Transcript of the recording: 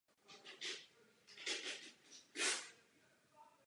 Christie je předseda Playboy Enterprises.